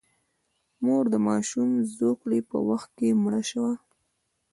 مور د ماشوم زوکړې په وخت کې مړه شوه.